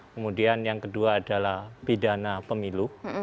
kemudian yang kedua adalah pidana pemilu